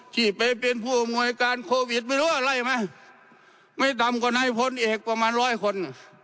ที่ไปเป็นผู้อำนวยการโควิดไม่รู้ว่าไล่ไหมไม่ต่ำกว่านายพลเอกประมาณร้อยคน